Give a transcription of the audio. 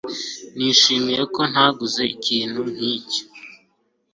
Nishimiye ko ntaguze ikintu nkicyo.